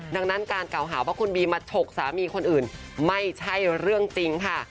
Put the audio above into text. ดังนั้นการกล่าวหาว่าคุณบีมาฉกสามีคนอื่นไม่ใช่เรื่องจริงค่ะ